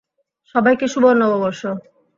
সবাইকে শুভ নববর্ষ।